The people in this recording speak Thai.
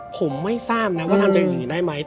ผมไม่ทราบนะว่าทำใจอยู่อย่างนี้ได้ไหม